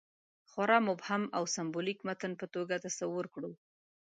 خورا مبهم او سېمبولیک متن په توګه تصور کړو.